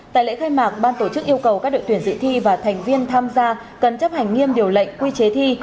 tại lễ khai mạc ban tổ chức yêu cầu các đội tuyển dự thi và thành viên tham gia cần chấp hành nghiêm điều lệnh quy chế thi